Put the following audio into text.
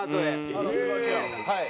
はい。